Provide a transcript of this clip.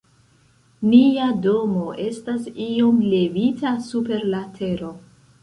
Nia domo estas iom levita super la tero.